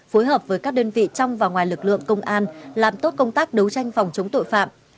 phối hợp với các đơn vị trong và ngoài lực lượng công an làm tốt công tác đấu tranh phòng chống tội phạm